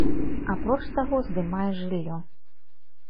Апроч таго, здымае жыллё.